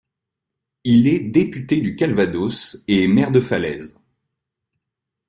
Il est député du Calvados et maire de Falaise.